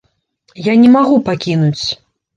Я не магу пакінуць.